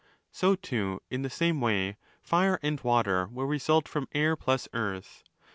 So, too, in the same way, Fire and Water will result from Air p/ws Earth.